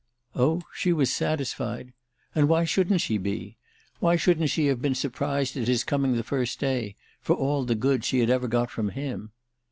Oh she was satisfied—and why shouldn't she be? Why shouldn't she have been surprised at his coming the first day—for all the good she had ever got from him?